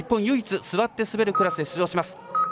唯一座って滑るクラスに出場します。